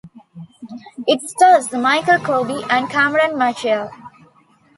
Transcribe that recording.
It stars Michael Coby and Cameron Mitchell.